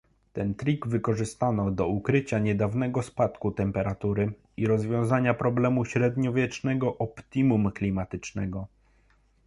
Ten trik wykorzystano do ukrycia niedawnego spadku temperatury i rozwiązania problemu średniowiecznego optimum klimatycznego